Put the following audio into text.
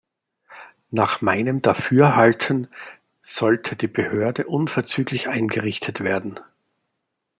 Nach meinem Dafürhalten sollte die Behörde unverzüglich eingerichtet werden.